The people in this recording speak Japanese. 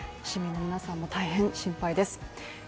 市民の皆さんも大変心配です。